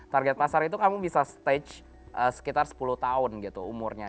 target pasar itu kamu bisa stage sekitar sepuluh tahun gitu umurnya